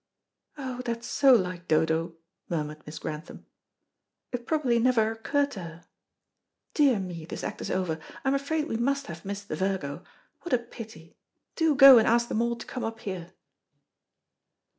"Oh, that's so like Dodo," murmured Miss Grantham; "it probably never occurred to her. Dear me, this act is over. I am afraid we must have missed the 'Virgo.' What a pity. Do go, and ask them all to come up here."